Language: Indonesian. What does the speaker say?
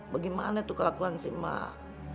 bagaimana tuh kelakuan si emak